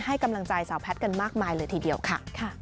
ให้กำลังใจสาวแพทย์กันมากมายเลยทีเดียวค่ะ